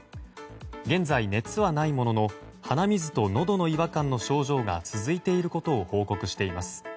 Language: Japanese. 現在熱はないものの鼻水とのどの違和感の症状が続いていることを報告しています。